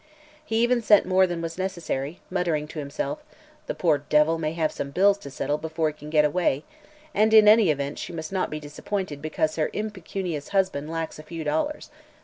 He even sent more than was necessary, muttering to himself: "The poor devil may have some bills to settle before he can get away, and in any event she must not be disappointed because her impecunious husband lacks a few dollars.